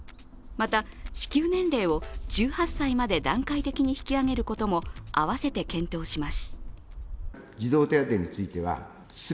また、支給年齢を１８歳まで段階的に引き上げることも併せて検討します。